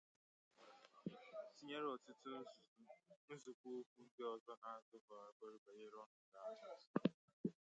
tinyere ọtụtụ nzọpụ ụkwụ ndị ọzọ ha zọpụgoro banyere ọnọdụ ahụ.